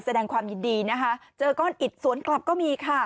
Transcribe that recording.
แสดงความยินดีนะคะเจอก้อนอิดสวนกลับก็มีค่ะ